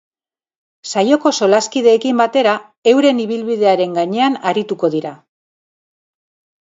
Saioko solaskideekin batera euren ibilbidearen gainean arituko dira.